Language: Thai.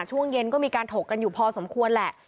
ช่วงเย็นก็มีการถกกันอยู่พอสมควรแหละ